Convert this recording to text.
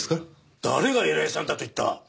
誰が偉いさんだと言った！